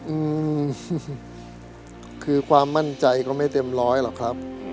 อืมคือความมั่นใจก็ไม่เต็มร้อยหรอกครับ